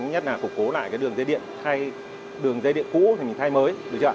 nhất là cục cố lại cái đường dây điện thay đường dây điện cũ thì mình thay mới